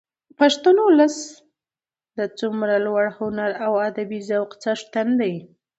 پښتون ولس د څومره لوړ هنري او ادبي ذوق څښتن دي.